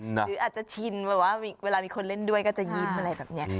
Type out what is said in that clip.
หรืออาจจะชินแบบว่าเวลามีคนเล่นด้วยก็จะยิ้มอะไรแบบนี้